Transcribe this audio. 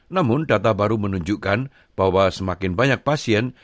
namun data baru menunjukkan bahwa semakin banyak pasien